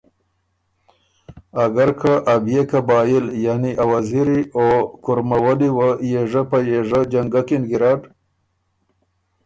اګر که ا بئے قبائل یعنی ا وزیری او کُرمه ولي وه یېژه په یېژه جنګکِن ګیرډ،